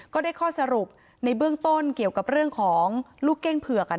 ก็ได้ข้อสรุปในเบื้องต้นเกี่ยวกับเรื่องของลูกเก้งเผือก